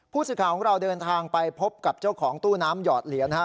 ผู้สิทธิ์ของเราเดินทางไปพบกับเจ้าของตู้น้ำหยอดเหรียญฮะ